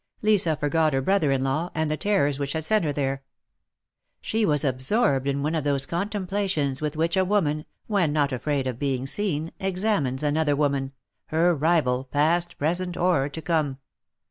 Lisa forgot her brother in law, and the terrors which had sent her there. She was absorbed in one of those contemplations with which a woman, when not afraid of being seen, examines another woman — her rival, past, present or to come.